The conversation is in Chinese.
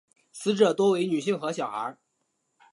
死者多为女性和小孩。